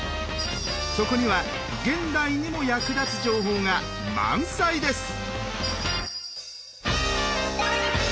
そこには現代にも役立つ情報が満載です！